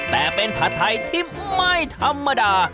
แต่เป็นผัดไทยที่ไม่ธรรมดา